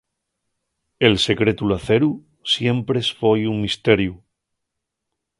El secretu l'aceru siempres foi un misteriu.